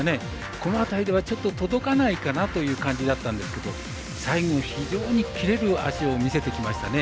この辺りでは、ちょっと届かないかなという感じだったんですが最後、非常にキレる脚を見せてきましたね。